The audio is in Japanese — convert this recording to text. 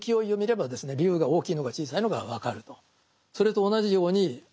龍が大きいのか小さいのかは分かると。